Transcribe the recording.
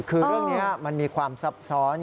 คือเรื่องนี้มันมีความซับซ้อน